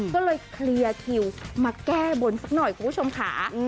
ก็เลยเคลียร์คิวมาแก้บนสักหน่อยคุณผู้ชมค่ะ